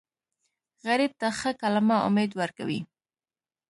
غریب ته ښه کلمه امید ورکوي